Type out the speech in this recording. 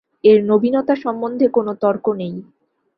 এঁর নবীনতা সম্বন্ধে কোনো তর্ক নেই।